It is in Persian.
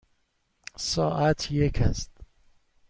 ساعت یک است.